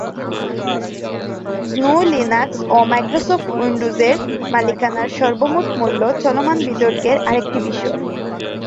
গ্নু/লিনাক্স ও মাইক্রোসফট উইন্ডোজের মালিকানার সর্বমোট মূল্য চলমান বিতর্কের আরেকটি বিষয়।